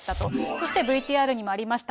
そしてＶＴＲにもありました